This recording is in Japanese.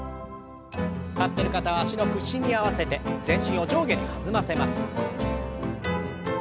立ってる方は脚の屈伸に合わせて全身を上下に弾ませます。